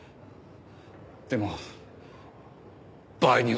でも場合によったら。